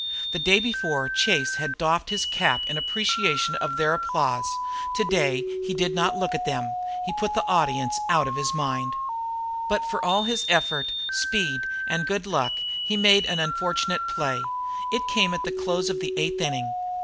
The day before Chase had doffed his cap in appreciation of their applause. Today he did not look at them. He put the audience out of his mind. But with all his effort, speed, and good luck he made an unfortunate play. It came at the close of the eighth inning.